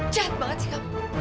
jahat banget sih kamu